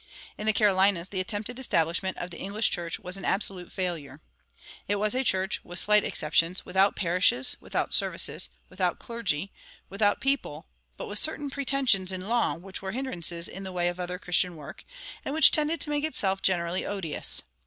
In the Carolinas the attempted establishment of the English church was an absolute failure. It was a church (with slight exceptions) without parishes, without services, without clergy, without people, but with certain pretensions in law which were hindrances in the way of other Christian work, and which tended to make itself generally odious.